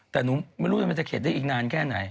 แต่หนูไม่รู้ว่ามันจะเข็ดได้อีกนานแค่ไหน